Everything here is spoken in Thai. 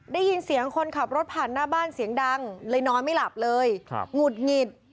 ได้ยินเสียงคนขับรถผ่านหน้าบ้านเสียงดังเลยนอนไม่หลับเลยหงุดหงิด